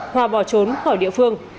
hòa bỏ trốn khỏi địa phương